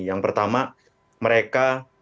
yang pertama mereka